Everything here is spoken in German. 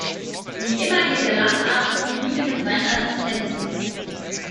Wie immer geht der Landarzt rigide mit seinen Assistenten um.